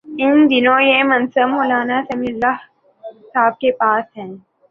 ان دنوں یہ منصب مو لانا سمیع الحق صاحب کے پاس ہے۔